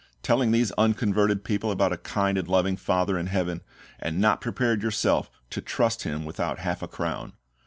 telling these unconverted people about a kind and loving FATHER in heaven, and not prepared yourself to trust Him without half a crown!"